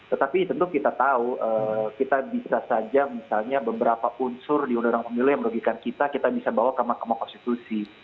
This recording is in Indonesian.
tetapi tentu kita tahu kita bisa saja misalnya beberapa unsur di undang undang pemilu yang merugikan kita kita bisa bawa ke mahkamah konstitusi